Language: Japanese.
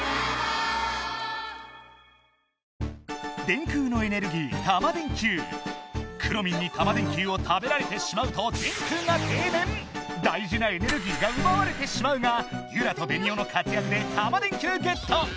電空のエネルギーくろミンにタマ電Ｑを食べられてしまうと電空がてい電⁉大じなエネルギーがうばわれてしまうがユラとベニオの活やくでタマ電Ｑゲット！